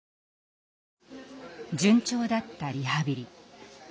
順調だったリハビリ。